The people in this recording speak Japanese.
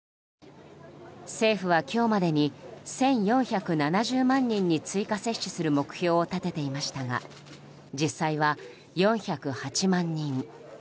政府は今日までに１４７０万人に追加接種する目標を立てていましたが実際は４０８万人。